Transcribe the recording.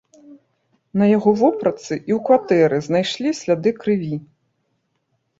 На яго вопратцы і ў кватэры знайшлі сляды крыві.